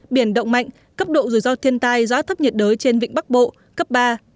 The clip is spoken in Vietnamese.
biển động mạnh cấp độ rủi ro thiên tai do áp thấp nhiệt đới trên vịnh bắc bộ cấp ba